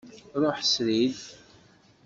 Ruḥ srid.